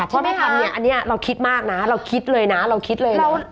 ใช่ไหมคะเพราะไม่ทำเนี่ยอันนี้เราคิดมากนะเราคิดเลยนะเราคิดเลย